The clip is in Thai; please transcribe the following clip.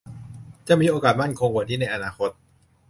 จะมีโอกาสมั่นคงกว่านี้ในอนาคต